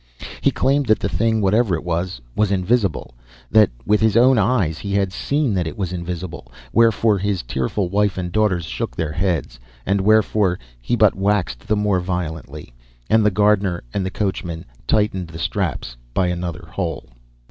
He claimed that the thing, whatever it was, was invisible, that with his own eyes he had seen that it was invisible; wherefore his tearful wife and daughters shook their heads, and wherefore he but waxed the more violent, and the gardener and the coachman tightened the straps by another hole.